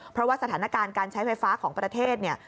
เพราะว่าสถานการณ์การใช้ไฟฟ้าของประเทศเนี่ย